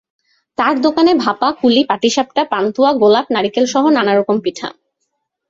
তাঁর দোকানে ভাপা, কুলি, পাটিসাপটা, পানতুয়া, গোলাপ, নারিকেলসহ নানা রকম পিঠা।